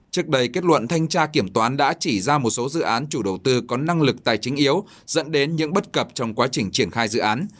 trước đây kết luận thanh tra kiểm toán đã chỉ ra một số dự án chủ đầu tư có năng lực tài chính yếu dẫn đến những bất cập trong quá trình triển khai dự án